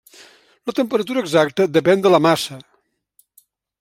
La temperatura exacta depèn de la massa.